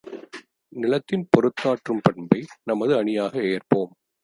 நிலத்தின் பொறுத்தாற்றும் பண்பை நமது அணியாக ஏற்போம்!